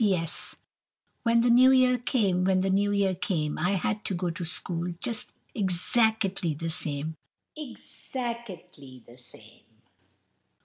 P.S.—When the new year came, When the new year came, I had to go to school Just exacketly the same! Exacketly the same!